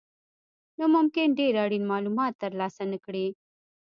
نو ممکن ډېر اړین مالومات ترلاسه نه کړئ.